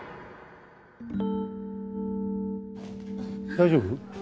大丈夫？